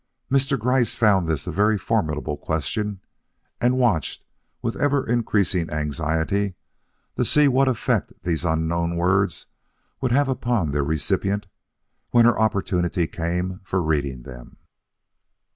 Mr. Gryce found this a very formidable question, and watched with ever increasing anxiety to see what effect these unknown words would have upon their recipient when her opportunity came for reading them.